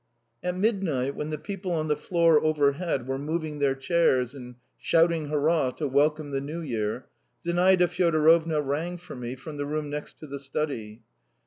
At midnight when the people on the floor overhead were moving their chairs and shouting hurrah to welcome the New Year, Zinaida Fyodorovna rang for me from the room next to the study.